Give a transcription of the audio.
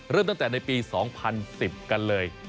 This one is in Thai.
เริ่มตั้งแต่ในปี๒๐๑๐กันเลย